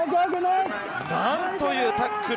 なんというタックル！